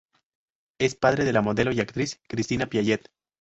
Es padre de la modelo y actriz, Cristina Piaget.